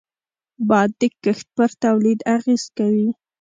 باد د کښت پر تولید اغېز کوي